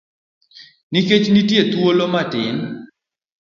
Nikech nitie thuolo matin.